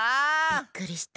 びっくりした。